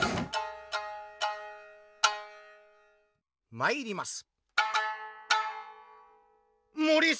まいります。